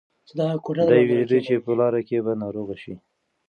دی وېرېده چې په لاره کې به ناروغه شي.